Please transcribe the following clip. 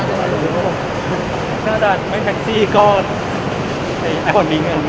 ถ้าดัดไม่แพ็คซีก็ไอฟอร์ดบิ๊ง